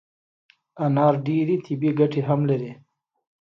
انار ډیري طبي ګټي هم لري